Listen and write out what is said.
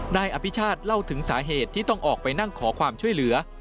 นายอภิชาติเล่าถึงสาเหตุที่ต้องออกไปนั่งขอความช่วยเหลือ